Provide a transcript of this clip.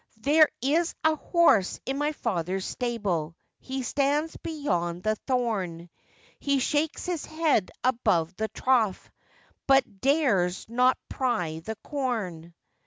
'There is a horse in my father's stable, He stands beyond the thorn; He shakes his head above the trough, But dares not prie the corn.